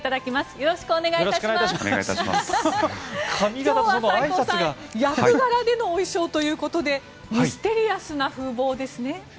今日は斎藤さん、役柄のお衣装ということでミステリアスな風貌ですね。